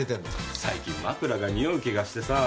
最近枕が臭う気がしてさ。